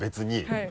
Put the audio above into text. はい。